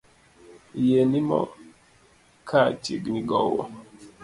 Yie nimo ka chiegni gowo